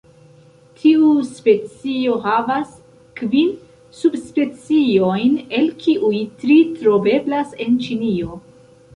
Tiu specio havas kvin subspeciojn, el kiuj tri troveblas en Ĉinio.